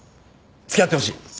付き合ってほしい！